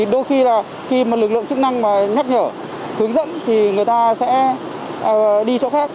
đôi khi lực lượng chức năng nhắc nhở hướng dẫn thì người ta sẽ đi chỗ khác